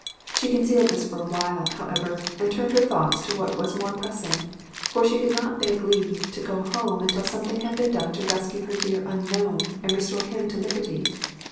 She concealed this for a while, however, and turned her thoughts to what was more pressing; for she could not beg leave to go home until something had been done to rescue her dear Unknown and restore him to liberty.